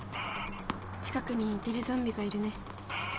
近くにテレゾンビがいるね。